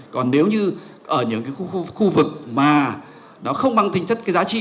còn nếu như ở những cái khu vực mà nó không mang tính chất cái giá trị